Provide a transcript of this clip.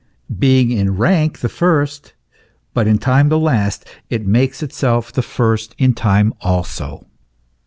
being in rank the first, but in time the last, it makes itself the first in time also.